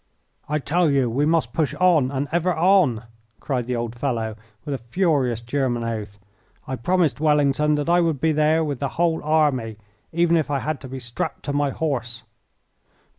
"I tell you we must push on and ever on!" cried the old fellow, with a furious German oath. "I promised Wellington that I would be there with the whole army even if I had to be strapped to my horse.